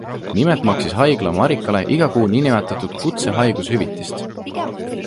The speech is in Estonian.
Nimelt maksis haigla Marikale iga kuu nn kutsehaigushüvitist.